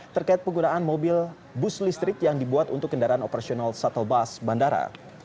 terkait penggunaan mobil bus listrik yang dibuat untuk kendaraan operasional shuttle bus bandara